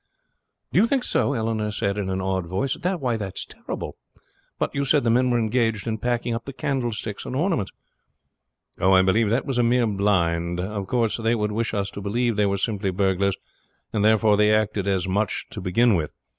"Do you think so?" Eleanor said in an awed voice. "That is terrible. But you said the men were engaged in packing up the candlesticks and ornaments." "Oh, I believe that was a mere blind. Of course they would wish us to believe they were simply burglars, and therefore they acted as such to begin with.